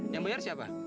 yang bayar siapa